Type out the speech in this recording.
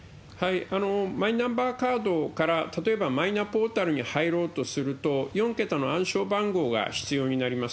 マイナンバーカードから、例えばマイナポータルに入ろうとすると、４桁の暗証番号が必要になります。